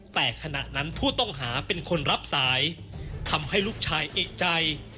แต่ขณะนั้นผู้ต้องหาเป็นคนรับสายทำให้ลูกชายเอกใจ